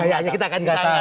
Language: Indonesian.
kayaknya kita kan enggak tahu